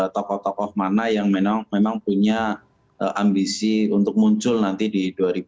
tokoh tokoh mana yang memang punya ambisi untuk muncul nanti di dua ribu dua puluh